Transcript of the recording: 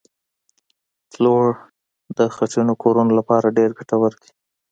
پلوړ د خټینو کورو لپاره ډېر ګټور دي